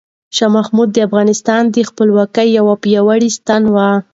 شاه محمود د افغانستان د خپلواکۍ یو پیاوړی ستنه وه.